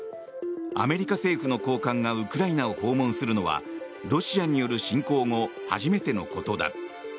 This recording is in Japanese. アメリカ政府の高官がウクライナを訪問するのはロシアによる侵攻後初めてのことだ。